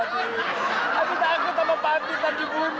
tapi takut sama papi tak dibunuh